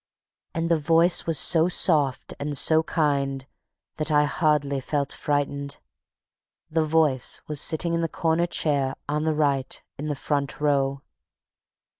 And the voice was so soft and kind that I hardly felt frightened. THE VOICE WAS SITTING IN THE CORNER CHAIR, ON THE RIGHT, IN THE FRONT ROW."